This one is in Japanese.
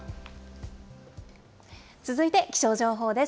続いて気象情報です。